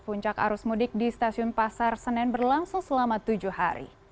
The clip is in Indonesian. puncak arus mudik di stasiun pasar senen berlangsung selama tujuh hari